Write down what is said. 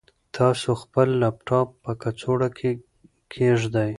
تاسو خپل لپټاپ په کڅوړه کې کېږدئ.